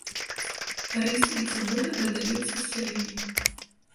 Рыс і цыбуля дадаюцца сырымі.